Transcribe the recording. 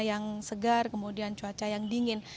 yang segar kemudian cuaca yang dingin